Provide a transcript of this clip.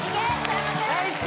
大好き！